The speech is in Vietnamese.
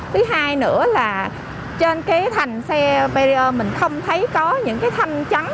thứ hai nữa là trên cái thành xe perrier mình không thấy có những cái thanh trắng